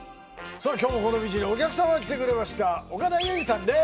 さあ今日もこのビーチにお客様が来てくれました岡田結実さんです